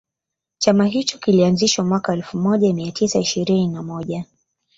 Chama hicho kilianzishwa mwaka wa elfumoja mia tisa ishirini na moja